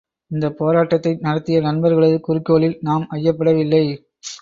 இந்தப் போராட்டத்தை நடத்திய நண்பர்களது குறிக்கோளில் நாம் ஐயப்படவில்லை!